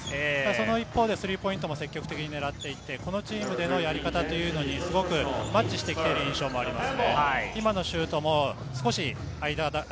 その一方でスリーポイントも積極的にねらっていって、このチームでのやり方というのにすごくマッチしてきている印象もあります。